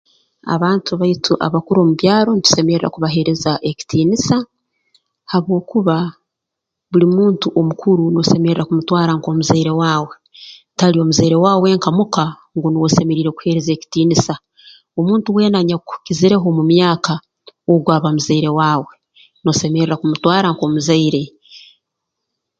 Abantu baitu abakuru omu byaro ntusemerra kubaheereza ekitiinisa habwokuba buli muntu omukuru noosemerra kumutwara nk'omuzaire waawe tali omuzaire waawe wenka muka ngu nuwe osemeriire kuheereza ekitiinisa omuntu weena anyakukizireho mu myaka ogu aba muzaire waawe noosemerra kumutwara nk'omuzaire